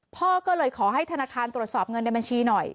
พ่อก็เลยขอให้ธนาคารตรวจสอบเงินในบัญชีหน่อย